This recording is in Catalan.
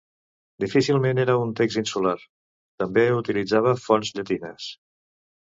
Difícilment era un text insular, també utilitzava fonts llatines.